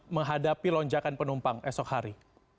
menghadapi lonjakan penumpang esok hari